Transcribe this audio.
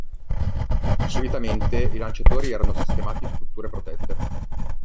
Solitamente, i lanciatori erano sistemati in strutture protette.